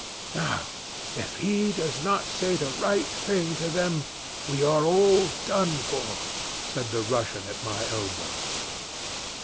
"'Now, if he does not say the right thing to them we are all done for,' said the Russian at my elbow.